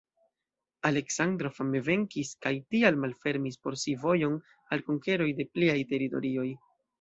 Aleksandro fame venkis kaj tial malfermis por si vojon al konkeroj de pliaj teritorioj.